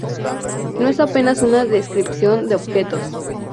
No es apenas una descripción de objetos.